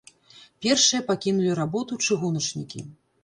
Першыя пакінулі работу чыгуначнікі.